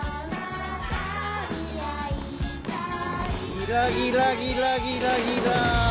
ギラギラギラギラギラ。